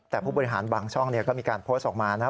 แต่ผู้บริหารบางช่องก็มีการโพสต์ออกมานะ